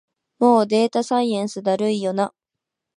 もうデータサイエンスだるいよな